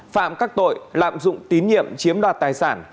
phạm các tội lạm dụng tín nhiệm chiếm đoạt tài sản